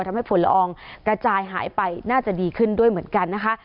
ฝุ่นละอองกระจายหายไปน่าจะดีขึ้นด้วยเหมือนกันนะคะ